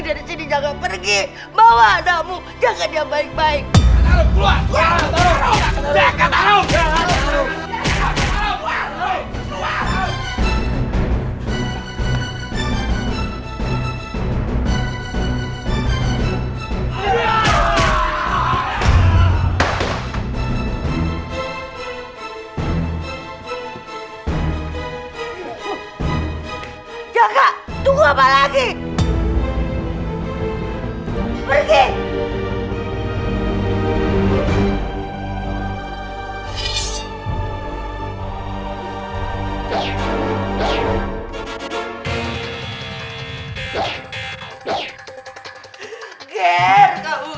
ger kau gak bisa berdiri dengan mereka lebih lama lagi ger